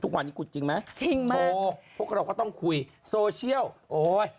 ทุกวันนี้ขุดจริงไหมจริงไหมโทรพวกเราก็ต้องคุยโซเชียลโอ้ย